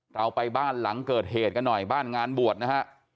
เราไปบ้านหลังเกิดเหตุกันหน่อยบ้านงานบวชนะฮะ